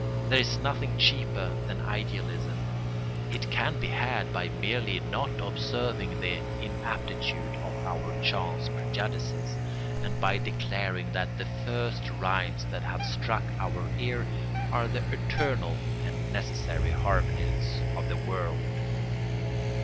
There is nothing cheaper than idealism. It can be had by merely not observing the ineptitude of our chance prejudices, and by declaring that the first rhymes that have struck our ear are the eternal and necessary harmonies of the world.